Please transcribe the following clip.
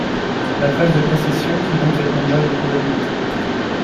La phase de précession suit donc cette même loi de probabilité.